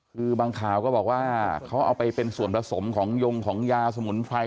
คือบางข่าวก็บอกว่าเขาเอาไปเป็นส่วนผสมของยงของยาสมุนไพร